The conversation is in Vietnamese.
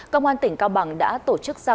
công an tỉnh cao bằng đã tổ chức xét nghiệm